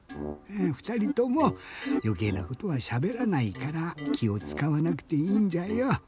ふたりともよけいなことはしゃべらないからきをつかわなくていいんじゃよ。